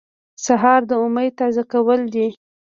سهار د امید تازه کول دي.